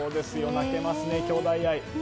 泣けますね、兄妹愛。